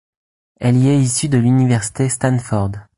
Ailier issu de l'université Stanford.